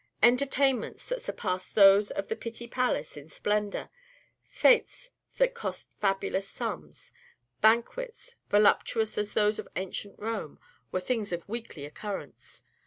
Entertainments that surpassed those of the Pitti Palace in splendor, fêtes that cost fabulous sums, banquets voluptuous as those of ancient Rome, were things of weekly occurrence.